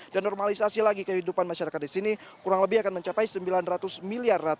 dan normalisasi lagi kehidupan masyarakat di sini kurang lebih akan mencapai rp sembilan ratus miliar